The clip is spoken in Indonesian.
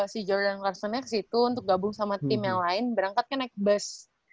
si george dan karsona ke situ untuk gabung sama tim yang lain berangkat kan naik bus